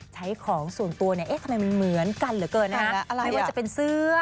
ใช้ของส่วนตัวเนี่ยเอ๊ะทำไมมันเหมือนกันเหลือเกินนะฮะไม่ว่าจะเป็นเสื้อ